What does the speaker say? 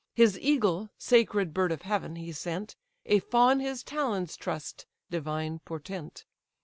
His eagle, sacred bird of heaven! he sent, A fawn his talons truss'd, (divine portent!)